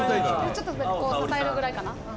「ちょっと支えるぐらい」